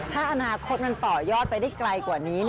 ถ้าอนาคตมันต่อยอดไปได้ไกลกว่านี้